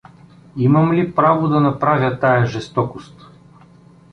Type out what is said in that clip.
Имам ли право да направя тая жестокост?